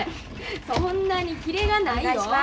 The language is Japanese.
そんなにきれがないよ。